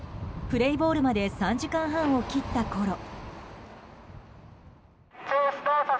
プレーボールまで３時間半を切ったころ。